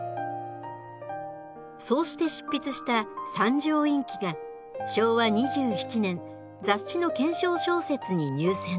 そうして執筆した「三条院記」が昭和２７年雑誌の懸賞小説に入選。